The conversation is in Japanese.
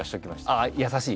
ああ優しい。